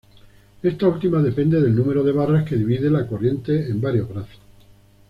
Esta última depende del número de barras que divide la corriente en varios brazos.